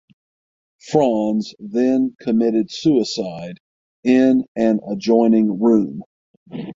Franz then committed suicide in an adjoining room.